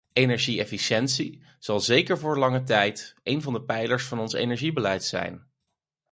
Energie-efficiëntie zal zeker voor lange tijd een van de pijlers van ons energiebeleid zijn.